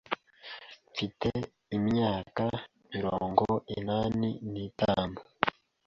Mfite imyaka mirongo inani n'itanu.